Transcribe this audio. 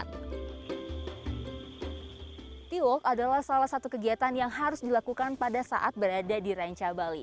tea walk adalah salah satu kegiatan yang harus dilakukan pada saat berada di ranca bali